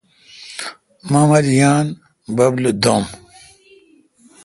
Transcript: مہ مل یان، بب لو دو°م۔